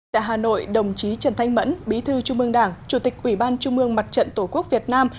tại hà nội đồng chí trần thanh mẫn bí thư trung mương đảng chủ tịch ủy ban trung mương mặt trận tổ quốc việt nam